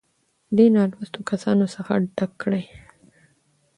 دې نـالـوسـتو کسـانـو څـخـه ډک کـړي.